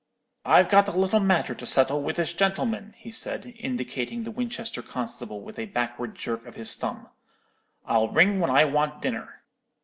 "'I've got a little matter to settle with this gentleman,' he said, indicating the Winchester constable with a backward jerk of his thumb; 'I'll ring when I want dinner.'